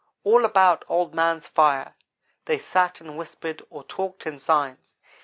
All about Old man's fire they sat and whispered or talked in signs.